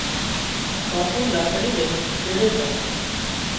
ٻاپو لاڪڙي لئينش چيڙي ڇا